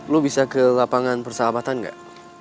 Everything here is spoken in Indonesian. lo bisa ke lapangan persahabatan nggak